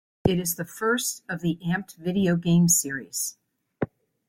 It is the first of the "Amped" video game series.